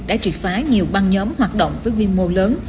đã trị phái nhiều băng nhóm hoạt động với viên mô lớn